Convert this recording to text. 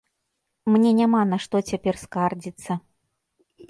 Мне няма на што цяпер скардзіцца.